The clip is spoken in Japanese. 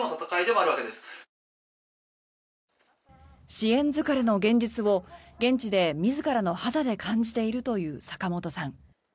支援疲れの現実を現地で自らの肌で感じているという坂本さん。